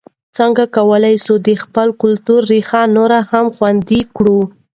څنګه کولای سو د خپل کلتور ریښې نورې هم خوندي کړو؟